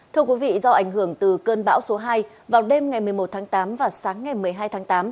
thưa quý vị do ảnh hưởng từ cơn bão số hai vào đêm ngày một mươi một tháng tám và sáng ngày một mươi hai tháng tám